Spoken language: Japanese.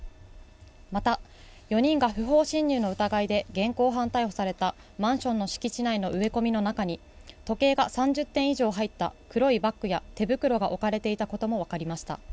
また、４人が不法侵入の疑いで現行犯逮捕されたマンションの敷地内の植え込みの中に、時計が３０点以上入った黒いバッグや手袋が置かれていたことも分かりました。